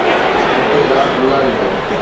اتي رات گذاريندو